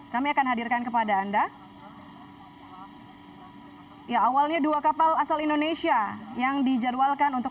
kami akan hadirkan kepada anda ya awalnya dua kapal asal indonesia yang dijadwalkan untuk